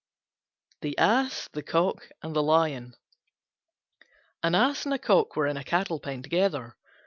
THE ASS, THE COCK, AND THE LION An Ass and a Cock were in a cattle pen together.